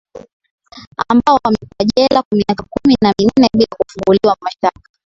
ambao wamekuwa jela kwa miaka kumi na minne bila kufunguliwa mashtaka